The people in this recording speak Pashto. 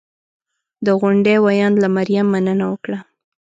د غونډې ویاند له مریم مننه وکړه